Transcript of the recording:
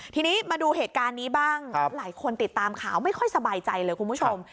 ทีนี้มาดูเหตุการณ์นี้บ้างหลายคนติดตามข่าวไม่ค่อยสบายใจเลยคุณผู้ชม